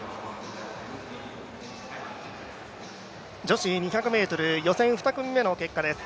女子２００ｍ予選、２組目の結果です。